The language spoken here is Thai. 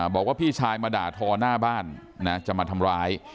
บอกว่าพี่ชายมาด่าทอหน้าบ้านนะจะมาทำร้าย